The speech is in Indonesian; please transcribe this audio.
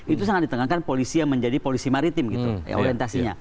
itu sangat ditengahkan polisi yang menjadi polisi maritim gitu ya orientasinya